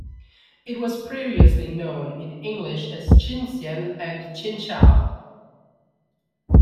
It was previously known in English as Chinhsien and Chinchow.